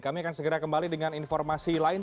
kami akan segera kembali dengan informasi lain